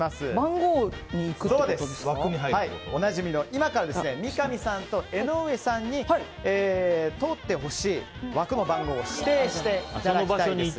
今から、三上さんと江上さんに通ってほしい枠の番号を指定していただきたいです。